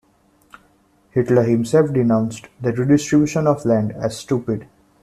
Hitler himself denounced the redistribution of land as "stupid".